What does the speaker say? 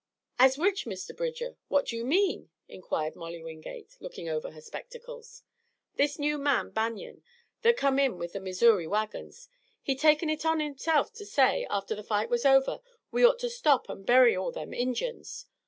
"As which, Mr. Bridger? What you mean?" inquired Molly Wingate, looking over her spectacles. "This new man, Banion, that come in with the Missouri wagons he taken hit on hisself to say, atter the fight was over, we orto stop an' bury all them Injuns!